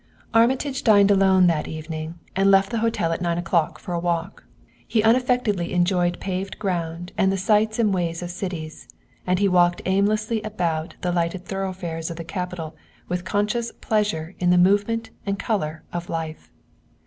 Armitage dined alone that evening and left the hotel at nine o'clock for a walk. He unaffectedly enjoyed paved ground and the sights and ways of cities, and he walked aimlessly about the lighted thoroughfares of the capital with conscious pleasure in the movement and color of life.